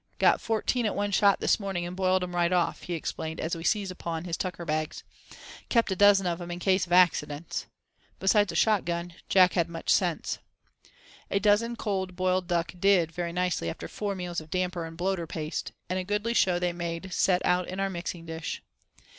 Got fourteen at one shot this morning, and boiled 'em right off," he explained as we seized upon his tucker bags. "Kept a dozen of 'em in case of accidents." Besides a shot gun, Jack had much sense. A dozen cold boiled duck "did" very nicely after four meals of damper and bloater paste; and a goodly show they made set out in our mixing dish.